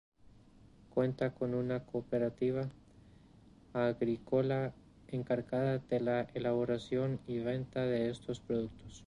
Cuenta con una cooperativa agrícola encargada de la elaboración y venta de estos productos.